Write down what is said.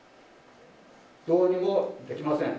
どうにもできません。